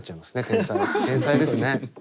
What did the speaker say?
天才天才ですね。